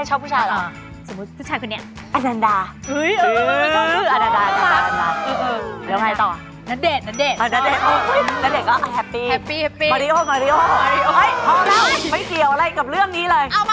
เอามาถึงอันดับหนึ่งเลยดีกว่านะคะ